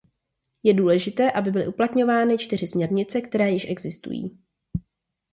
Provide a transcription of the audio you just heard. Je důležité, aby byly uplatňovány čtyři směrnice, které již existují.